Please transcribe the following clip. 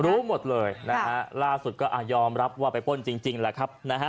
รู้หมดเลยล่าสุดก็ยอมรับว่าไปป้นจริงแล้วครับ